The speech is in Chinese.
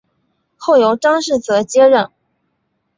后由张世则接任。